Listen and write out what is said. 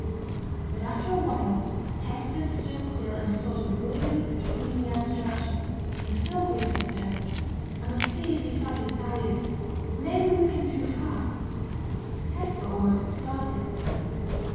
But after a while Hester stood still in a sort of weary dreamy abstraction; and Sylvia said to her, 'I'm afeared yo're sadly tired. Maybe we've been too far.' Hester almost started.